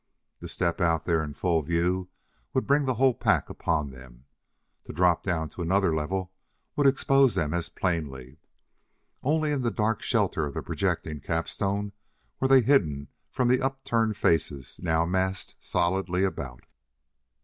To step out there in full view would bring the whole pack upon them; to drop down to another level would expose them as plainly. Only in the dark shelter of the projecting capstone were they hidden from the upturned faces now massed solidly about.